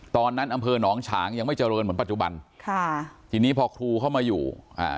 อำเภอหนองฉางยังไม่เจริญเหมือนปัจจุบันค่ะทีนี้พอครูเข้ามาอยู่อ่า